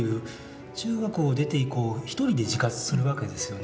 中学を出て以降ひとりで自活するわけですよね。